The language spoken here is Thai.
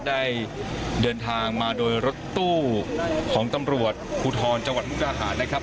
ได้เดินทางมาโดยรถตู้ของตำรวจภูทรจังหวัดมุกดาหารนะครับ